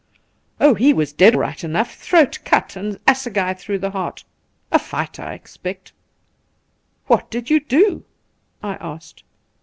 * Oh, he was dead right enough — ^throat cut and assegai through the heart. A fight, I expect.' ' What did you do T I asked.